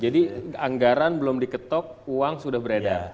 jadi anggaran belum diketok uang sudah beredar